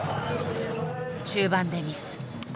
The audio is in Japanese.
中盤でミス。